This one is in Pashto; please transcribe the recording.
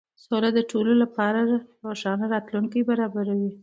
سوله د ټولو لپاره روښانه راتلونکی برابروي.